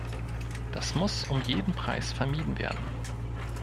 Das muss um jeden Preis vermieden werden.